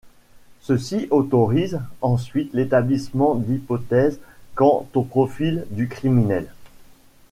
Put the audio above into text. Ceci autorise ensuite l'établissement d'hypothèses quant au profil du criminel.